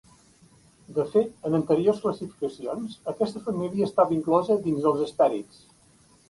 De fet, en anteriors classificacions aquesta família estava inclosa dins dels hespèrids.